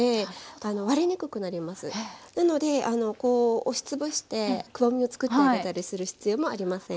なのでこう押しつぶしてくぼみを作ってあげたりする必要もありません。